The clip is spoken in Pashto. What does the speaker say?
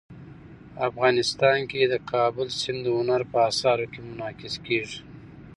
افغانستان کې د کابل سیند د هنر په اثار کې منعکس کېږي.